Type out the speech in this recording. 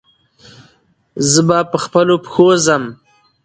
زه به پخپلو پښو ځم.